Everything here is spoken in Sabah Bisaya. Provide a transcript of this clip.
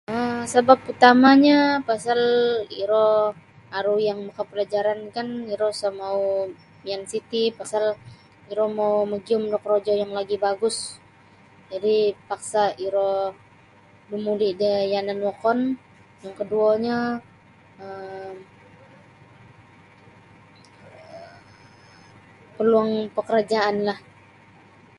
um Sabap utamanyo pasal iro aru yang makapalajarankan iro sa' mau miyan siti pasal iro mau magiyum da korojo yang lagi' bagus jadi' paksa iro muli da yanan wokon yang koduonyo um paluang pakarjaanlah.